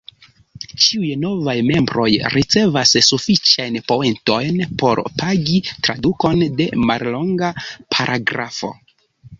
Ĉiuj novaj membroj ricevas sufiĉajn poentojn por "pagi" tradukon de mallonga paragrafo.